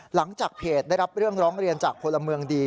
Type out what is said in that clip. หลังจากเพจได้รับเรื่องร้องเรียนจากพลเมืองดี